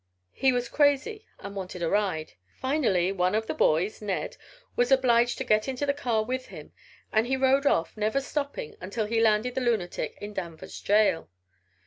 He was crazy and wanted a ride. Finally one of the boys, Ned, was obliged to get into the car with him and he rode off, never stopping until he landed the lunatic in Danvers jail!"